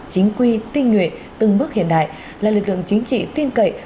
chính quy tiên nguyện từng bước hiện đại là lực lượng chính trị tiên cậy